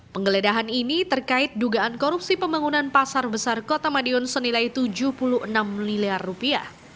penggeledahan ini terkait dugaan korupsi pembangunan pasar besar kota madiun senilai tujuh puluh enam miliar rupiah